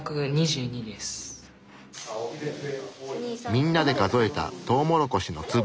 みんなで数えたトウモロコシの粒。